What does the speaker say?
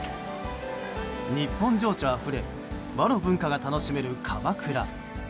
日本情緒あふれ和の文化が楽しめる鎌倉。